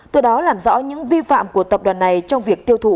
từ đó làm rõ những vi phạm của tập đoàn này trong việc tiêu thụ